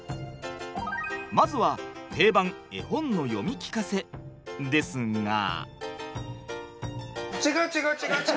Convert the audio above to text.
まずは定番絵本の読み聞かせ。ですが。